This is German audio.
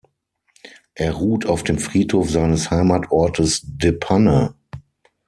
Er ruht auf dem Friedhof seines Heimatorts De Panne.